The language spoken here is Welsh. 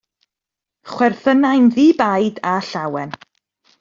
Chwerthynai'n ddi-baid a llawen.